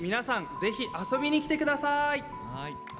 ぜひ遊びに来てください！